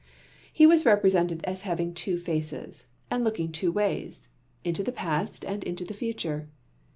He was represented as having two faces, and looking two ways into the past and into the future.